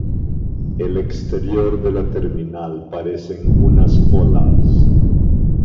El exterior de la terminal parecen unas olas.